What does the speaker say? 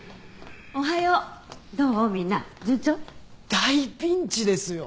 大ピンチですよ。